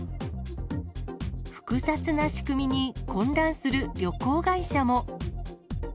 複雑な仕組みに混乱する旅行会社も。